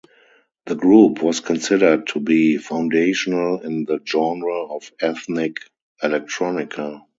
The group was considered to be foundational in the genre of ethnic electronica.